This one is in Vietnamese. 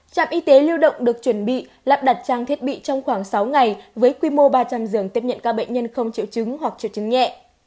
trạm y tế lưu động được chuẩn bị lắp đặt trang thiết bị trong khoảng sáu ngày với quy mô ba trăm linh giường tiếp nhận các bệnh nhân không triệu chứng hoặc triệu chứng nhẹ